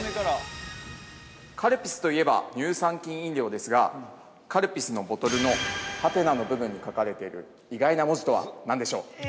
◆カルピスといえば、乳酸菌飲料ですが、カルピスのボトルの？の部分に書かれている、意外な文字とはなんでしょう。